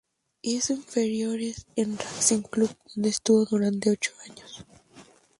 Hizo inferiores en Racing Club, donde estuvo durante ocho años.